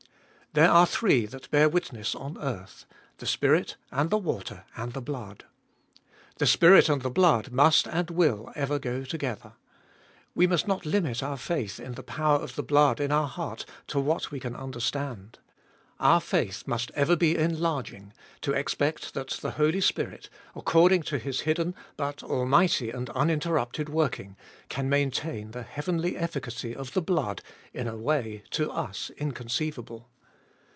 There are three that bear witness on earth : the Spirit and the water and the blood. The Spirit and the blood must and will ever go together. We must not limit our faith in the power of the blood in our heart to what we can understand. Our faith must ever be enlarging, to expect that the Holy Spirit, according to His hidden but almighty and uninterrupted work ing, can maintain the heavenly efficacy of the blood in a way to us inconceivable.